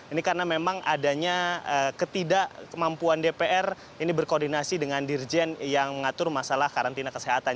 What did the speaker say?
ini karena memang adanya ketidakmampuan dpr ini berkoordinasi dengan dirjen yang mengatur masalah karantina kesehatan